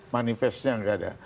manifestnya nggak ada